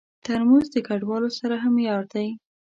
ترموز د کډوالو سره هم یار دی.